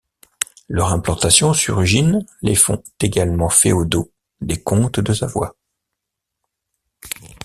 Leur implantation sur Ugine les font également féodaux des comtes de Savoie.